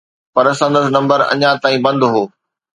پر سندس نمبر اڃا تائين بند هو.